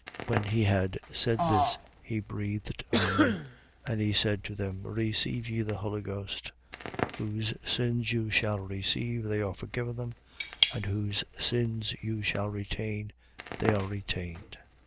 20:22. When he had said this, he breathed on them; and he said to them: Receive ye the Holy Ghost. 20:23. Whose sins you shall forgive, they are forgiven them: and whose sins you shall retain, they are retained.